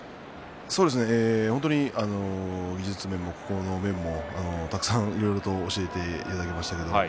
本当に技術面も心の面もたくさん、いろいろと教えていただきましたね。